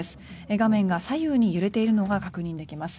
画面が左右に揺れているのが確認できます。